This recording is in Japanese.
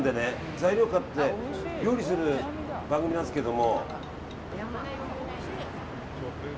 材料を買って料理する番組なんですけど。